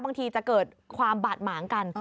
บางทีจะเกิดความบาดหมางกัน